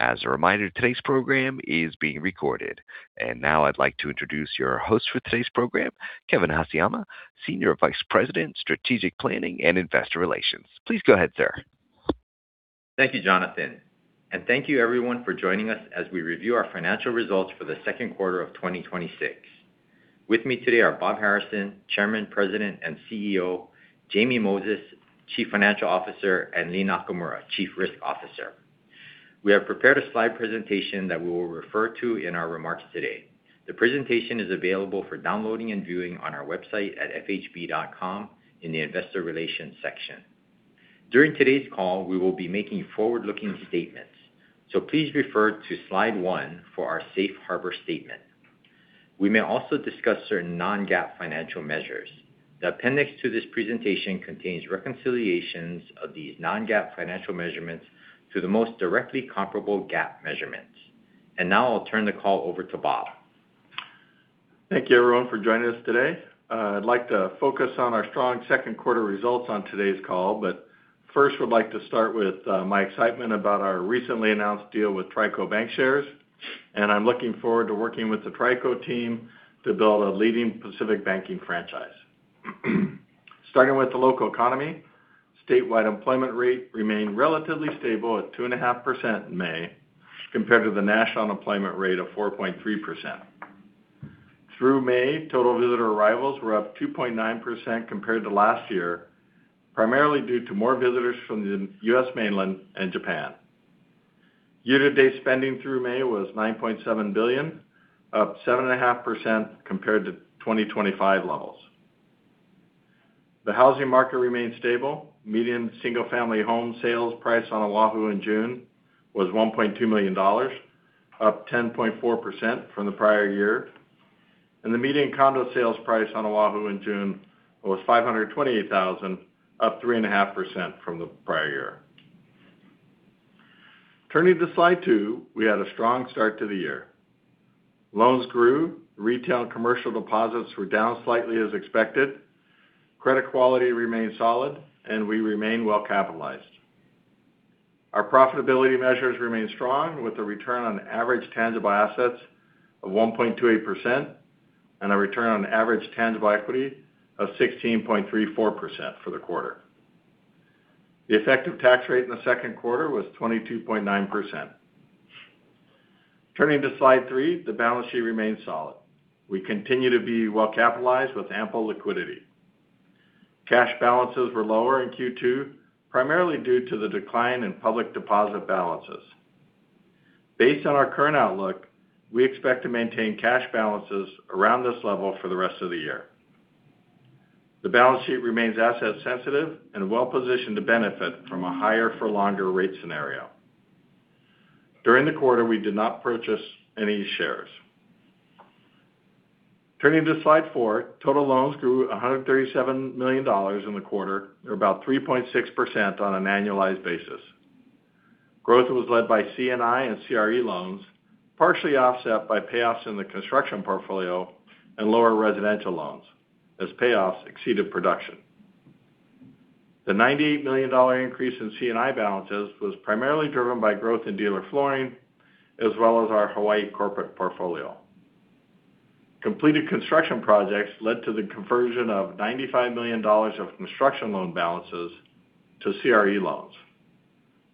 As a reminder, today's program is being recorded. Now I'd like to introduce your host for today's program, Kevin Haseyama, Senior Vice President, Strategic Planning and Investor Relations. Please go ahead, sir. Thank you, Jonathan. Thank you everyone for joining us as we review our financial results for the second quarter of 2026. With me today are Bob Harrison, Chairman, President, and CEO, Jamie Moses, Chief Financial Officer, and Lea Nakamura, Chief Risk Officer. We have prepared a slide presentation that we will refer to in our remarks today. The presentation is available for downloading and viewing on our website at fhb.com in the investor relations section. During today's call, we will be making forward-looking statements, please refer to slide one for our safe harbor statement. We may also discuss certain non-GAAP financial measures. The appendix to this presentation contains reconciliations of these non-GAAP financial measurements to the most directly comparable GAAP measurements. Now I'll turn the call over to Bob. Thank you, everyone, for joining us today. I'd like to focus on our strong second quarter results on today's call. First, would like to start with my excitement about our recently announced deal with TriCo Bancshares. I'm looking forward to working with the TriCo team to build a leading Pacific banking franchise. Starting with the local economy, statewide employment rate remained relatively stable at 2.5% in May compared to the national unemployment rate of 4.3%. Through May, total visitor arrivals were up 2.9% compared to last year, primarily due to more visitors from the U.S. mainland and Japan. Year-to-date spending through May was $9.7 billion, up 7.5% compared to 2025 levels. The housing market remained stable. Median single-family home sales price on Oahu in June was $1.2 million, up 10.4% from the prior year. The median condo sales price on Oahu in June was $528,000, up 3.5% from the prior year. Turning to slide two, we had a strong start to the year. Loans grew, retail and commercial deposits were down slightly as expected. Credit quality remained solid, and we remain well-capitalized. Our profitability measures remain strong, with a return on average tangible assets of 1.28% and a return on average tangible equity of 16.34% for the quarter. The effective tax rate in the second quarter was 22.9%. Turning to slide three, the balance sheet remains solid. We continue to be well-capitalized with ample liquidity. Cash balances were lower in Q2, primarily due to the decline in public deposit balances. Based on our current outlook, we expect to maintain cash balances around this level for the rest of the year. The balance sheet remains asset sensitive and well-positioned to benefit from a higher for longer rate scenario. During the quarter, we did not purchase any shares. Turning to slide four, total loans grew $137 million in the quarter, or about 3.6% on an annualized basis. Growth was led by C&I and CRE loans, partially offset by payoffs in the construction portfolio and lower residential loans as payoffs exceeded production. The $98 million increase in C&I balances was primarily driven by growth in dealer flooring, as well as our Hawaii corporate portfolio. Completed construction projects led to the conversion of $95 million of construction loan balances to CRE loans.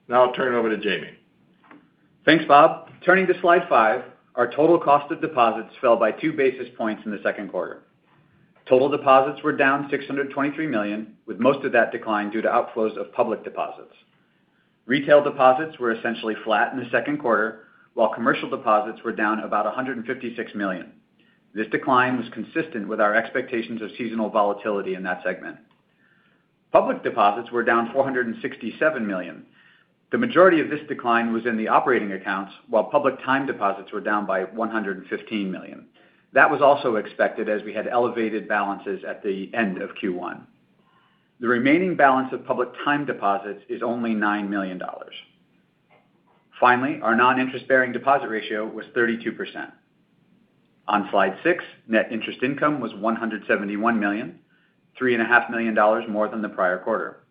Now I'll turn it over to Jamie. Thanks, Bob. Turning to slide five, our total cost of deposits fell by two basis points in the second quarter. Total deposits were down $623 million, with most of that decline due to outflows of public deposits. Retail deposits were essentially flat in the second quarter, while commercial deposits were down about $156 million. This decline was consistent with our expectations of seasonal volatility in that segment. Public deposits were down $467 million. The majority of this decline was in the operating accounts, while public time deposits were down by $115 million. That was also expected as we had elevated balances at the end of Q1. The remaining balance of public time deposits is only $9 million. Finally, our non-interest-bearing deposit ratio was 32%. On slide six, net interest income was $171 million, $3.5 million more than the prior quarter.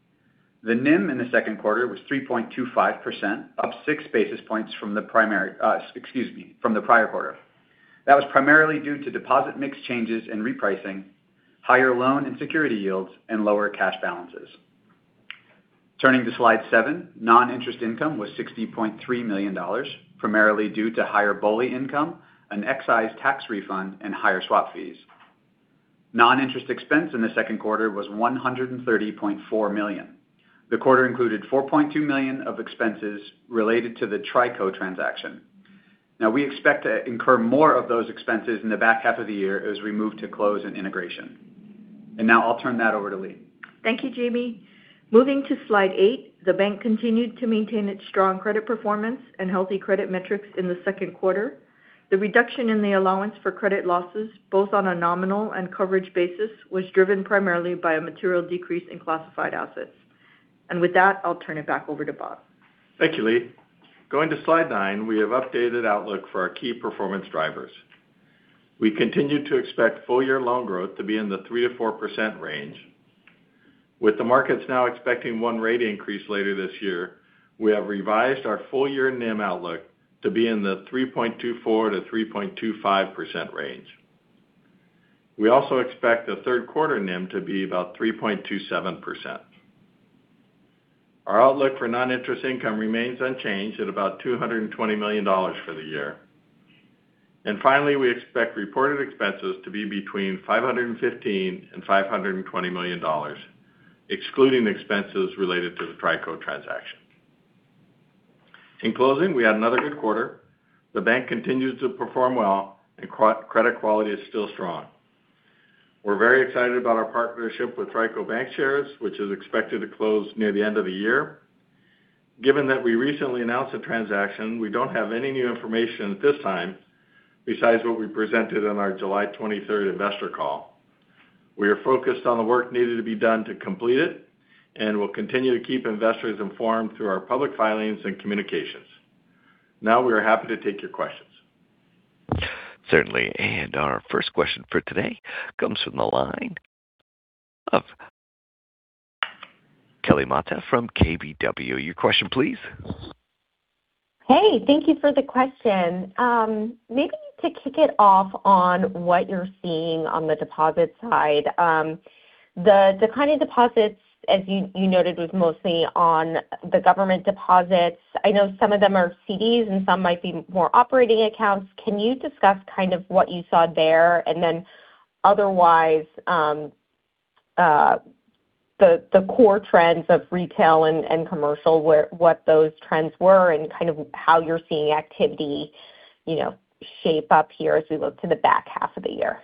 The NIM in the second quarter was 3.25%, up six basis points from the prior quarter. That was primarily due to deposit mix changes and repricing, higher loan and security yields, and lower cash balances. Turning to slide seven, non-interest income was $60.3 million, primarily due to higher BOLI income, an excise tax refund, and higher swap fees. Non-interest expense in the second quarter was $130.4 million. The quarter included $4.2 million of expenses related to the TriCo transaction. Now, we expect to incur more of those expenses in the back half of the year as we move to close and integration. Now I'll turn that over to Lea. Thank you, Jamie. Moving to slide eight, the bank continued to maintain its strong credit performance and healthy credit metrics in the second quarter. The reduction in the allowance for credit losses, both on a nominal and coverage basis, was driven primarily by a material decrease in classified assets. With that, I'll turn it back over to Bob. Thank you, Lea. Going to slide nine, we have updated outlook for our key performance drivers. We continue to expect full year loan growth to be in the 3%-4% range. With the markets now expecting one rate increase later this year, we have revised our full year NIM outlook to be in the 3.24%-3.25% range. We also expect the third quarter NIM to be about 3.27%. Our outlook for non-interest income remains unchanged at about $220 million for the year. Finally, we expect reported expenses to be between $515 million and $520 million, excluding expenses related to the TriCo transaction. In closing, we had another good quarter. The bank continues to perform well, and credit quality is still strong. We're very excited about our partnership with TriCo Bancshares, which is expected to close near the end of the year. Given that we recently announced the transaction, we don't have any new information at this time besides what we presented on our July 23rd investor call. We are focused on the work needed to be done to complete it, and we'll continue to keep investors informed through our public filings and communications. We are happy to take your questions. Certainly. Our first question for today comes from the line of Kelly Motta from KBW. Your question please. Hey. Thank you for the question. Maybe to kick it off on what you're seeing on the deposit side. The decline in deposits, as you noted, was mostly on the government deposits. I know some of them are CDs and some might be more operating accounts. Can you discuss kind of what you saw there? Then otherwise, the core trends of retail and commercial, what those trends were and kind of how you're seeing activity shape up here as we look to the back half of the year.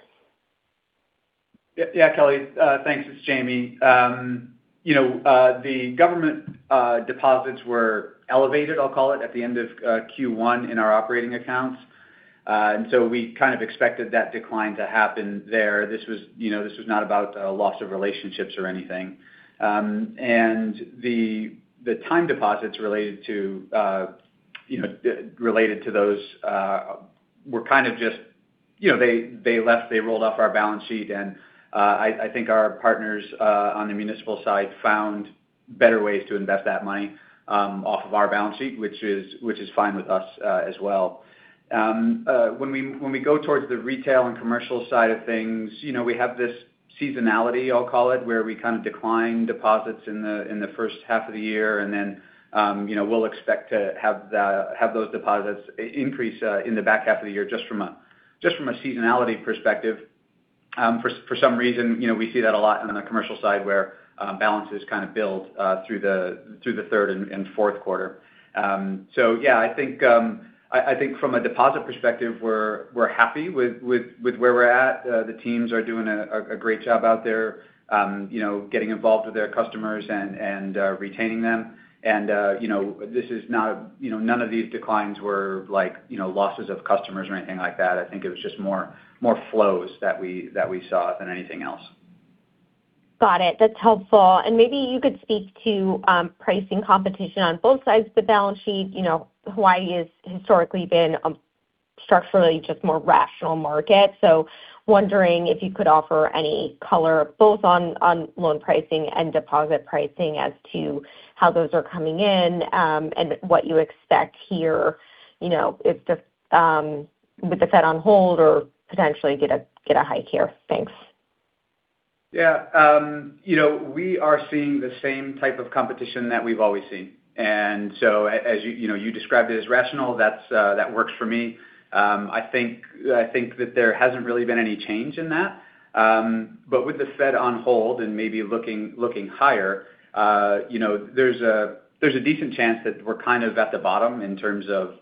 Kelly, thanks. It's Jamie. The government deposits were elevated, I'll call it, at the end of Q1 in our operating accounts. We kind of expected that decline to happen there. This was not about a loss of relationships or anything. The time deposits related to those were kind of just They left, they rolled off our balance sheet, and I think our partners on the municipal side found better ways to invest that money off of our balance sheet, which is fine with us as well. When we go towards the retail and commercial side of things, we have this seasonality, I'll call it, where we kind of decline deposits in the first half of the year, and then we'll expect to have those deposits increase in the back half of the year just from a seasonality perspective. For some reason, we see that a lot on the commercial side where balances kind of build through the third and fourth quarter. I think from a deposit perspective, we're happy with where we're at. The teams are doing a great job out there getting involved with their customers and retaining them. None of these declines were losses of customers or anything like that. I think it was just more flows that we saw than anything else. Got it. That's helpful. Maybe you could speak to pricing competition on both sides of the balance sheet. Hawaii has historically been a structurally just more rational market, wondering if you could offer any color both on loan pricing and deposit pricing as to how those are coming in and what you expect here with the Fed on hold or potentially get a hike here. Thanks. We are seeing the same type of competition that we've always seen. As you described it as rational, that works for me. I think that there hasn't really been any change in that. With the Fed on hold and maybe looking higher, there's a decent chance that we're kind of at the bottom in terms of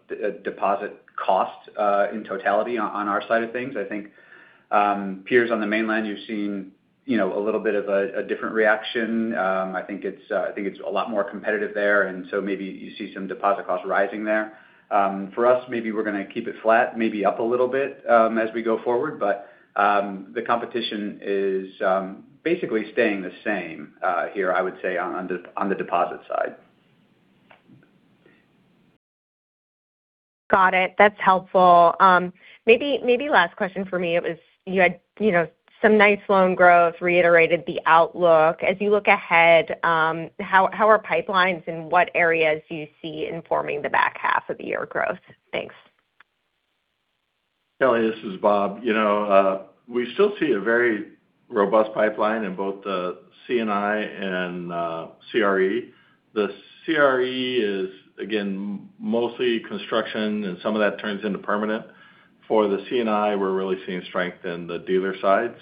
deposit cost in totality on our side of things. I think peers on the mainland, you've seen a little bit of a different reaction. I think it's a lot more competitive there, maybe you see some deposit costs rising there. For us, maybe we're going to keep it flat, maybe up a little bit as we go forward. The competition is basically staying the same here, I would say, on the deposit side. Got it. That's helpful. Maybe last question for me. You had some nice loan growth, reiterated the outlook. As you look ahead, how are pipelines and what areas do you see informing the back half of the year growth? Thanks. Kelly, this is Bob. We still see a very robust pipeline in both the C&I and CRE. The CRE is again mostly construction, and some of that turns into permanent. For the C&I we're really seeing the strike in the business side.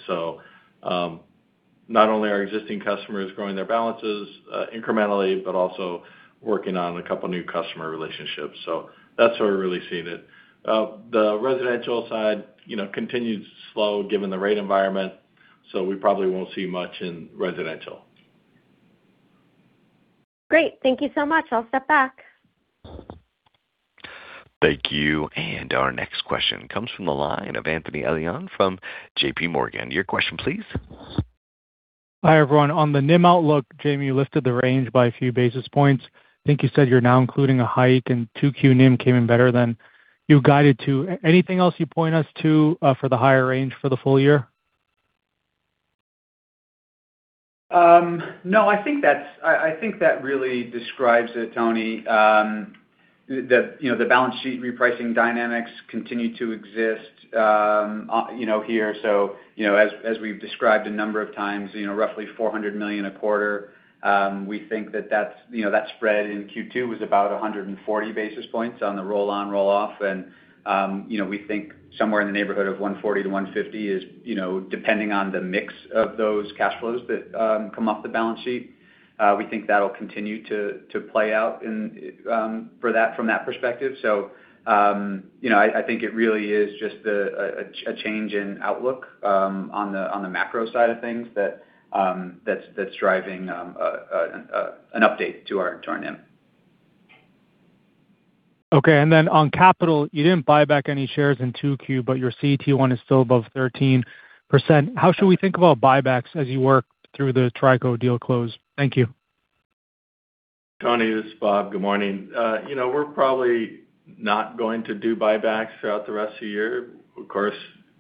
Not only are existing customers growing their balances incrementally, but also working on a couple new customer relationships. That's where we're really seeing it. The residential side continues slow given the rate environment, so we probably won't see much in residential. Great. Thank you so much. I'll step back. Thank you. Our next question comes from the line of Anthony Elian from J.P. Morgan. Your question please. Hi, everyone. On the NIM outlook, Jamie, you lifted the range by a few basis points. I think you said you're now including a hike and 2Q NIM came in better than you guided to. Anything else you point us to for the higher range for the full year? No, I think that really describes it, Tony. The balance sheet repricing dynamics continue to exist here. As we've described a number of times, roughly $400 million a quarter. We think that spread in Q2 was about 140 basis points on the roll-on/roll-off, and we think somewhere in the neighborhood of 140-150 is, depending on the mix of those cash flows that come off the balance sheet. We think that'll continue to play out from that perspective. I think it really is just a change in outlook on the macro side of things that's driving an update to our NIM. Okay, on capital, you didn't buy back any shares in 2Q, but your CET1 is still above 13%. How should we think about buybacks as you work through the TriCo deal close? Thank you. Tony, this is Bob. Good morning. We're probably not going to do buybacks throughout the rest of the year. Of course,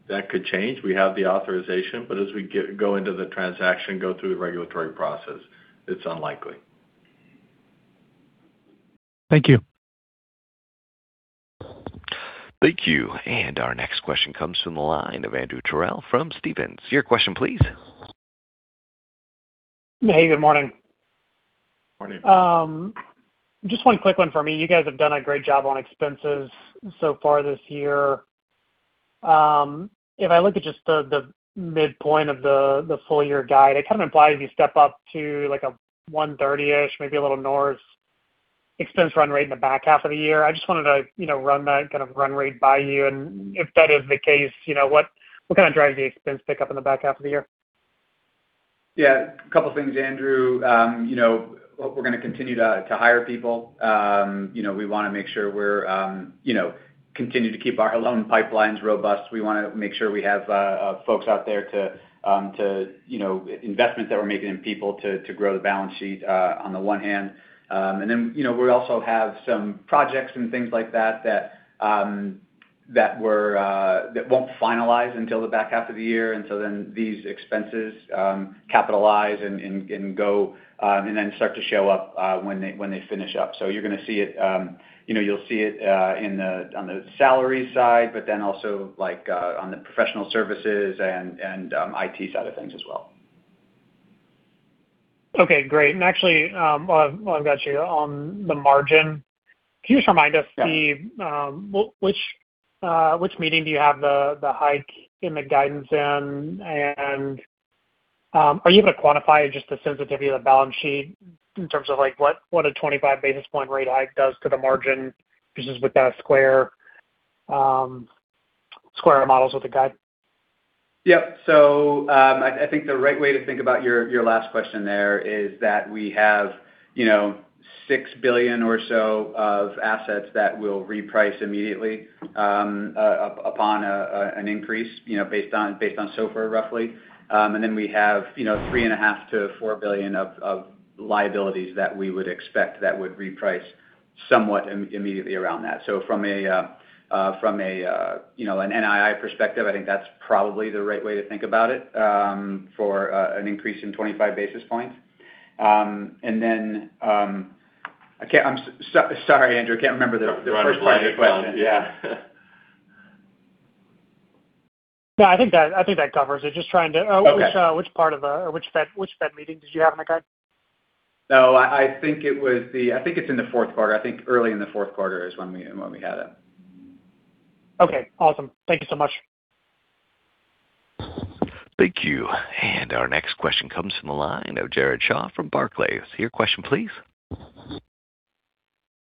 that could change. We have the authorization, as we go into the transaction, go through the regulatory process, it's unlikely. Thank you. Thank you. Our next question comes from the line of Andrew Terrell from Stephens. Your question please. Hey, good morning. Morning. Just one quick one for me. You guys have done a great job on expenses so far this year. If I look at just the midpoint of the full year guide, it kind of implies you step up to like a $130-ish, maybe a little north expense run rate in the back half of the year. I just wanted to run that kind of run rate by you, and if that is the case, what kind of drives the expense pickup in the back half of the year? Yeah. A couple of things, Andrew. We're going to continue to hire people. We want to make sure we continue to keep our loan pipelines robust. We want to make sure we have folks out there, investments that we're making in people to grow the balance sheet, on the one hand. We also have some projects and things like that that won't finalize until the back half of the year. These expenses capitalize and go, start to show up when they finish up. You'll see it on the salary side, but also on the professional services and IT side of things as well. Okay, great. Actually, while I've got you, on the margin, can you just remind us- Yeah which meeting do you have the hike in the guidance in, and are you going to quantify just the sensitivity of the balance sheet in terms of what a 25 basis point rate hike does to the margin? Just with that square models with the guide. Yep. I think the right way to think about your last question there is that we have $6 billion or so of assets that will reprice immediately upon an increase based on SOFR, roughly. We have $3.5 billion-$4 billion of liabilities that we would expect that would reprice somewhat immediately around that. From an NII perspective, I think that's probably the right way to think about it for an increase in 25 basis points. Sorry Andrew, I can't remember the first part of your question. The first part of it, yeah. I think that covers it. Okay Which Fed meeting did you have in the guide? I think it's in the fourth quarter. I think early in the fourth quarter is when we had it. Okay, awesome. Thank you so much. Thank you. Our next question comes from the line of Jared Shaw from Barclays. Your question please.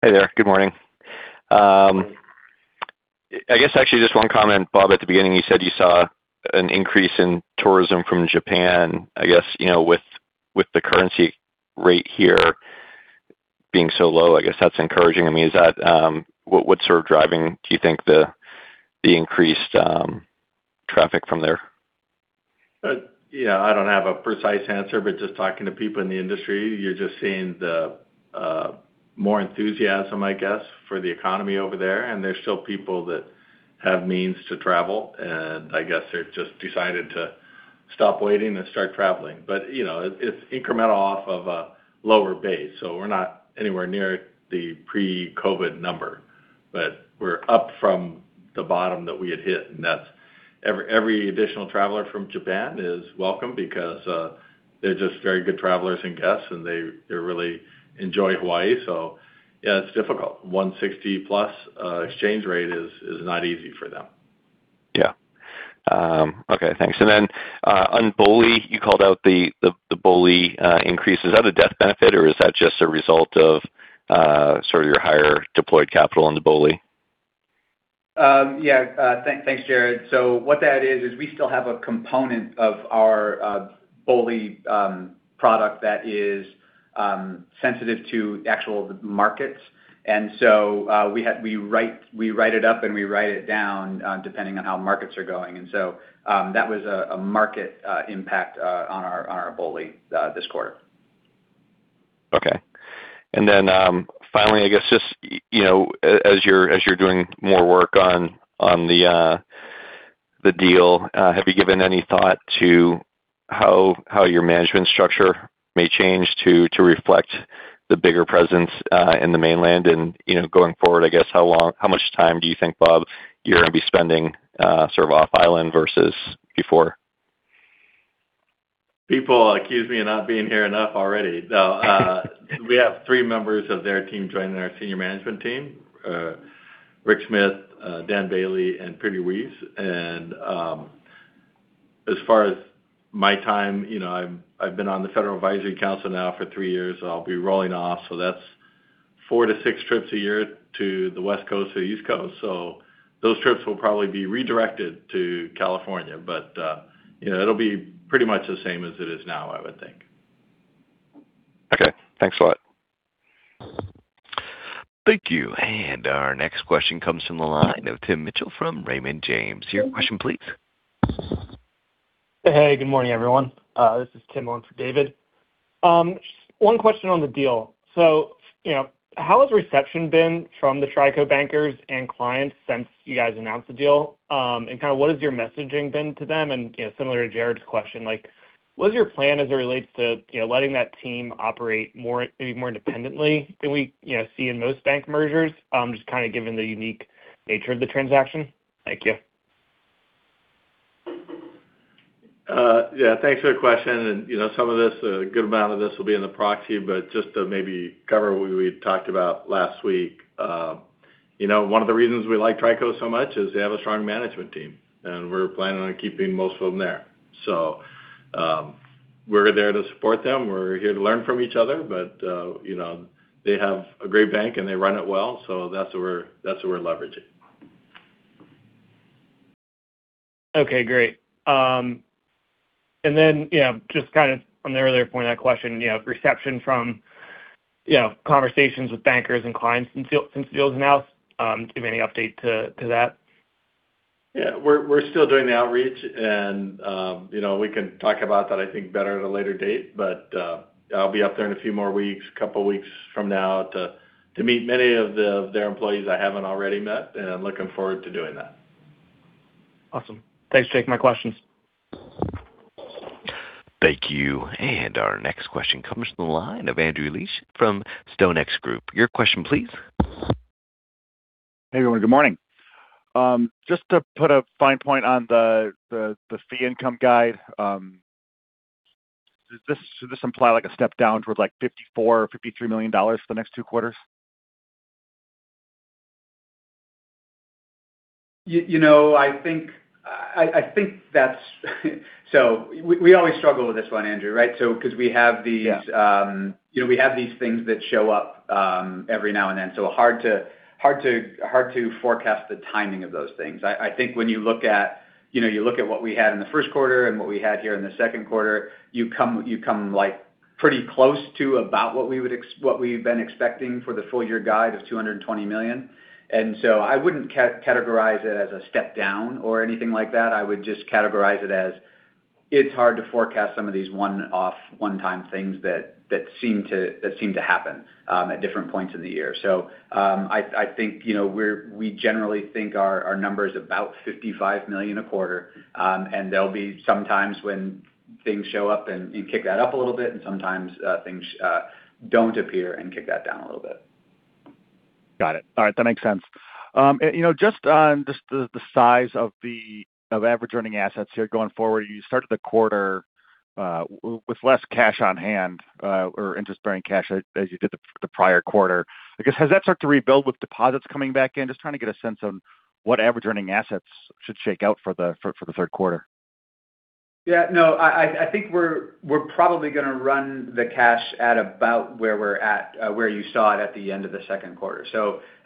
Hey there. Good morning. I guess actually just one comment, Bob, at the beginning, you said you saw an increase in tourism from Japan. I guess, with the currency rate here being so low, I guess that's encouraging. What's sort of driving, do you think, the increased traffic from there? I don't have a precise answer, but just talking to people in the industry, you're just seeing more enthusiasm, I guess, for the economy over there. There's still people that have means to travel, and I guess they've just decided to stop waiting and start traveling. It's incremental off of a lower base, so we're not anywhere near the pre-COVID number. We're up from the bottom that we had hit, and every additional traveler from Japan is welcome because they're just very good travelers and guests, and they really enjoy Hawaii. Yeah, it's difficult. 160+ exchange rate is not easy for them. Okay, thanks. Then on BOLI, you called out the BOLI increase. Is that a death benefit or is that just a result of sort of your higher deployed capital into BOLI? Yeah. Thanks, Jared. What that is we still have a component of our BOLI product that is sensitive to actual markets. So we write it up and we write it down depending on how markets are going. So that was a market impact on our BOLI this quarter. Okay. Then finally, I guess just as you're doing more work on the deal, have you given any thought to how your management structure may change to reflect the bigger presence in the mainland and going forward, I guess, how much time do you think, Bob, you're going to be spending sort of off-island versus before? People accuse me of not being here enough already. No. We have three members of their team joining our Senior Management Team, Rich Smith, Dan Bailey, and Peter Wiese. As far as my time, I've been on the Federal Advisory Council now for three years. I'll be rolling off. That's four to six trips a year to the West Coast, to the East Coast. Those trips will probably be redirected to California. It'll be pretty much the same as it is now, I would think. Okay. Thanks a lot. Thank you. Our next question comes from the line of Tim Mitchell from Raymond James. Your question please. Hey, good morning, everyone. This is Tim on for David. One question on the deal. How has reception been from the TriCo bankers and clients since you guys announced the deal? What has your messaging been to them? Similar to Jared's question, what is your plan as it relates to letting that team operate maybe more independently than we see in most bank mergers, just kind of given the unique nature of the transaction? Thank you. Yeah. Thanks for the question. A good amount of this will be in the proxy, but just to maybe cover what we had talked about last week. One of the reasons we like TriCo so much is they have a strong management team, and we're planning on keeping most of them there. We're there to support them. We're here to learn from each other. They have a great bank, and they run it well. That's what we're leveraging. Okay, great. Then just kind of on the earlier point, that question, reception from conversations with bankers and clients since the deal's announced. Do you have any update to that? Yeah. We're still doing the outreach we can talk about that, I think, better at a later date. I'll be up there in a few more weeks, couple weeks from now to meet many of their employees I haven't already met, I'm looking forward to doing that. Awesome. Thanks. Take my questions. Thank you. Our next question comes from the line of Andrew Liesch from StoneX Group. Your question please. Hey, everyone. Good morning. Just to put a fine point on the fee income guide. Does this imply a step down towards $54 million or $53 million for the next two quarters? We always struggle with this one, Andrew, right? Because we have these- Yeah We have these things that show up every now and then. Hard to forecast the timing of those things. I think when you look at what we had in the first quarter and what we had here in the second quarter, you come pretty close to about what we've been expecting for the full year guide of $220 million. I wouldn't categorize it as a step down or anything like that. I would just categorize it as it's hard to forecast some of these one-off, one-time things that seem to happen at different points of the year. I think we generally think our number is about $55 million a quarter. There'll be some times when things show up and you kick that up a little bit, and sometimes things don't appear and kick that down a little bit. Got it. All right. That makes sense. Just on the size of average earning assets here going forward, you started the quarter with less cash on hand or interest-bearing cash as you did the prior quarter. I guess, has that started to rebuild with deposits coming back in? Just trying to get a sense on what average earning assets should shake out for the third quarter. Yeah, no, I think we're probably going to run the cash at about where you saw it at the end of the second quarter.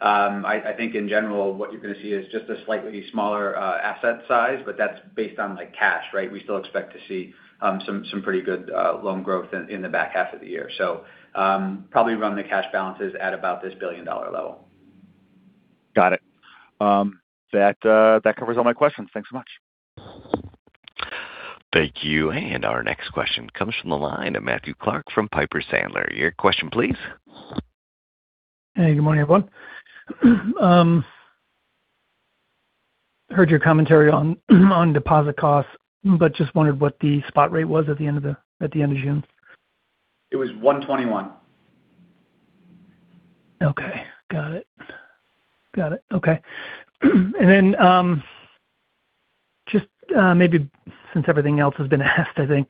I think in general, what you're going to see is just a slightly smaller asset size, but that's based on cash, right? We still expect to see some pretty good loan growth in the back half of the year. Probably run the cash balances at about this $1 billion level. Got it. That covers all my questions. Thanks so much. Thank you. Our next question comes from the line of Matthew Clark from Piper Sandler. Your question please. Hey, good morning, everyone. Heard your commentary on deposit costs, just wondered what the spot rate was at the end of June. It was 121. Okay. Got it. Just maybe since everything else has been asked, I think,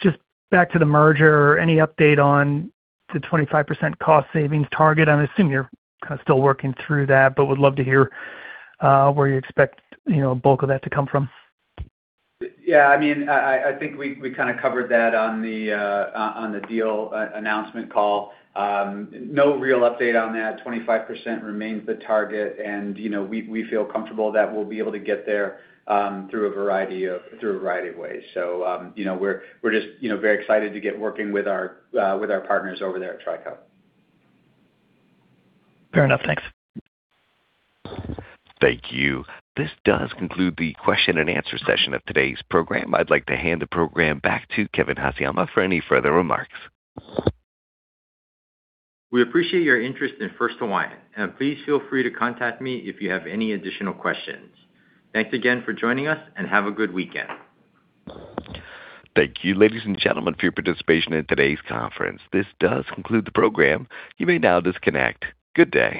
just back to the merger, any update on the 25% cost savings target? I'm assuming you're kind of still working through that, but would love to hear where you expect bulk of that to come from. Yeah, I think we kind of covered that on the deal announcement call. No real update on that. 25% remains the target, we feel comfortable that we'll be able to get there through a variety of ways. We're just very excited to get working with our partners over there at TriCo. Fair enough. Thanks. Thank you. This does conclude the question-and-answer session of today's program. I'd like to hand the program back to Kevin Haseyama for any further remarks. We appreciate your interest in First Hawaiian, and please feel free to contact me if you have any additional questions. Thanks again for joining us, and have a good weekend. Thank you, ladies and gentlemen, for your participation in today's conference. This does conclude the program. You may now disconnect. Good day